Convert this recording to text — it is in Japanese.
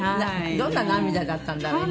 どんな涙だったんだろう？